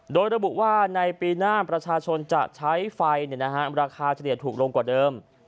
โดยระบุว่าในปีหน้าประชาชนจะใช้ไฟราคาเฉลี่ยถูกลงกว่าเดิม